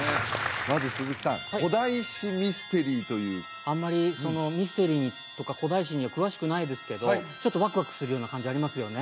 まず鈴木さん古代史ミステリーというあんまりミステリーとか古代史には詳しくないですけどちょっとワクワクするような感じありますよね